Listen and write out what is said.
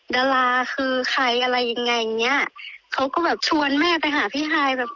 ดาราคือใครอะไรยังไงอย่างเงี้ยเขาก็แบบชวนแม่ไปหาพี่ฮายแบบ